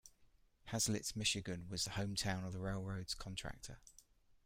Haslett, Michigan was the hometown of the railroad's contractor.